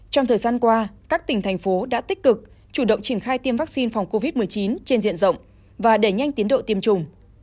trong thời gian qua các tỉnh thành phố đã tích cực chủ động triển khai tiêm vaccine phòng covid một mươi chín trên diện rộng và đẩy nhanh tiến độ tiêm chủng